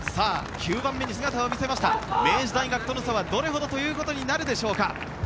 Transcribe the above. ９番目に姿を見せました明治大学との差はどれほどということになるでしょうか。